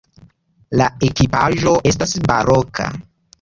La ekipaĵo estas baroka.